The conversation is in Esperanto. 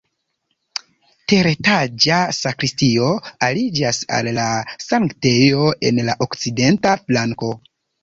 Teretaĝa sakristio aliĝas al la sanktejo en la okcidenta flanko.